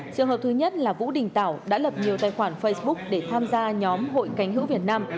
trường hợp thứ nhất là vũ đình tảo đã lập nhiều tài khoản facebook để tham gia nhóm hội cánh hữu việt nam